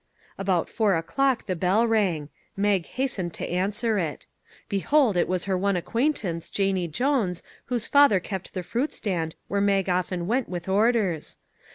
About four o'clock the bell rang; Mag hastened to answer it. Behold, it was her one acquaintance, Janie Jones, whose father kept the fruit stand where Mag often went with orders.